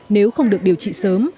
nếu không được điều trị sớm